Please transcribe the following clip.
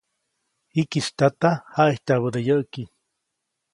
Jikisy tyädaʼm jaʼityabäde yäʼki.